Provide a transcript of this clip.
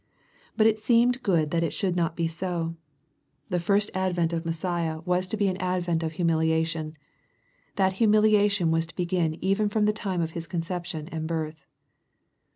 But it seemed good that it should not be so. The first advent of Messiah was to ba 22 EXPOSITOBr THOUGHTS. an advent of humiliation. That humiliation was to begin even from the time of His conception and birth.